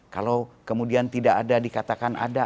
kalau kemudian tidak ada dikatakan ada